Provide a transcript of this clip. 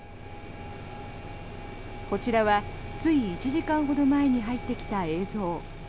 こちらは、つい１時間ほど前に入ってきた映像。